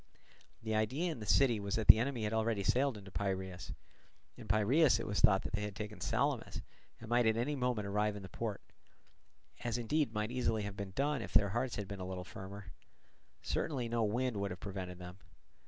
The idea in the city was that the enemy had already sailed into Piraeus: in Piraeus it was thought that they had taken Salamis and might at any moment arrive in the port; as indeed might easily have been done if their hearts had been a little firmer: certainly no wind would have prevented them.